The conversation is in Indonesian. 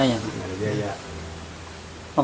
tidak ada biaya